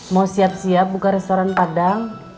mau siap siap buka restoran padang